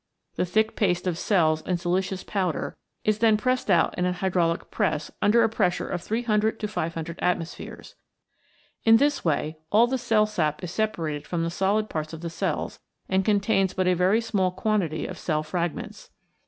The thick paste of cells and silicious powder is then pressed out in an hydraulic press under a pressure of 300 to 500 atmospheres. In this way all the cell sap is separated from the solid parts of the cells, and contains but a very small quantity of cell frag ments.